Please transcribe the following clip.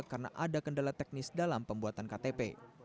karena ada kendala teknis dalam pembuatan ktp